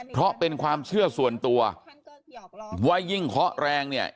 เพราะเป็นความเชื่อส่วนตัวว่ายิ่งเคาะแรงเนี่ย